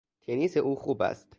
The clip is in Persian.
تنیس او خوب است.